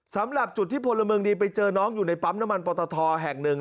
สำหรับจุดที่พลเมืองดีไปเจอน้องอยู่ในปั๊มน้ำมันปตทแห่งหนึ่ง